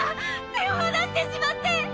手を離してしまって！